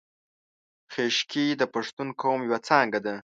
خیشکي د پښتون قوم یو څانګه ده